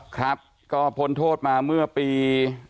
ครับก็พ้นโทษมาเมื่อปี